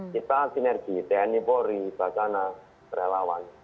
kita sinergi tni polri basana relawan